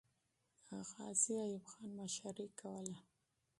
غازي ایوب خان مشري کوله.